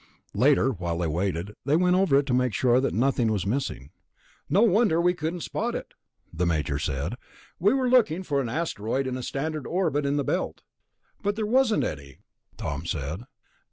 Later, while they waited, they went over it to make sure that nothing was missing. "No wonder we couldn't spot it," the Major said. "We were looking for an asteroid in a standard orbit in the Belt." "But there wasn't any," Tom said.